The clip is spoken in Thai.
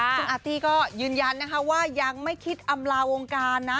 ซึ่งอาร์ตี้ก็ยืนยันนะคะว่ายังไม่คิดอำลาวงการนะ